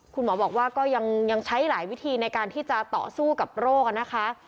คุณหมอบอกว่าก็ยังใช้หลายวิธีในการที่จะต่อสู้กับโรคนะคะ